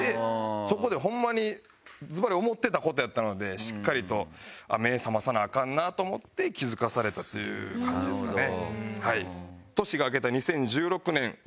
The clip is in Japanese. そこでホンマにズバリ思ってた事やったのでしっかりと目ぇ覚まさなアカンなと思って気づかされたという感じですかね。